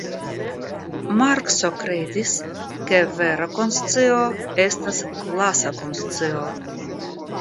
Markso kredis ke vera konscio estas klasa konscio.